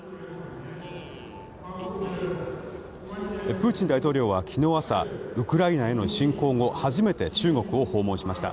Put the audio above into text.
プーチン大統領は昨日朝ウクライナへの侵攻後初めて中国を訪問しました。